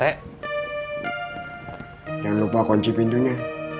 jangan lupa kunci pintunya